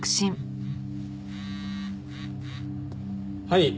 はい。